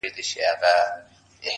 زه تر مور او پلار پر ټولو مهربان یم!